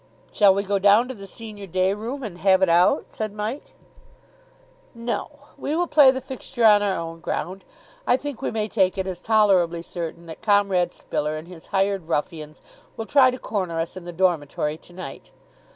"Shall we go down to the senior day room, and have it out?" said Mike. "No, we will play the fixture on our own ground. I think we may take it as tolerably certain that Comrade Spiller and his hired ruffians will try to corner us in the dormitory to night.